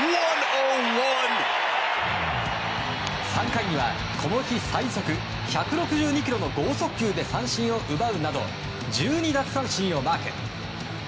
３回には、この日最速１６２キロの豪速球で三振を奪うなど１２奪三振をマーク。